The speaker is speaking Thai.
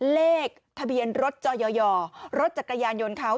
เลขทะเบียนรถจอยรถจักรยานยนต์เขา